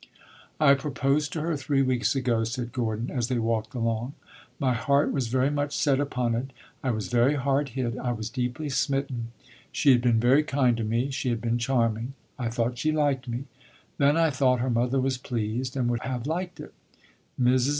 "I proposed to her three weeks ago," said Gordon, as they walked along. "My heart was very much set upon it. I was very hard hit I was deeply smitten. She had been very kind to me she had been charming I thought she liked me. Then I thought her mother was pleased, and would have liked it. Mrs.